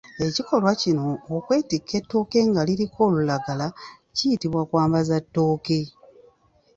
Ekikolwa kino eky'okwetikka ettooke nga liriko olulagala kiyitibwa kwambaza ttooke.